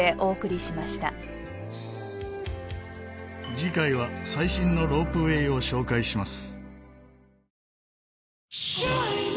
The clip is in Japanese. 次回は最新のロープウェーを紹介します。